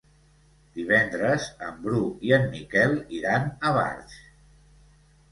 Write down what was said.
Divendres en Bru i en Miquel iran a Barx.